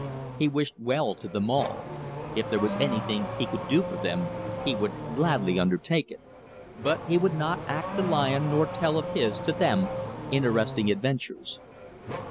He wished well to them all. If there was anything he could do for them, he would gladly undertake it. But he would not act the lion nor tell of his, to them, interesting adventures.